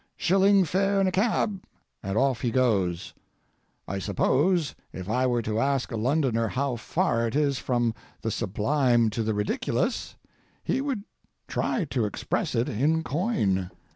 "Shilling fare in a cab," and off he goes. I suppose if I were to ask a Londoner how far it is from the sublime to the ridiculous, he would try to express it in coin.